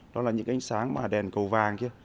đó là những ánh sáng mà đèn cầu vàng kia